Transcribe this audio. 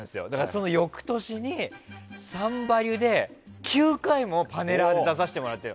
その翌年に「サンバリュ」で９回もパネラーで出させてもらって。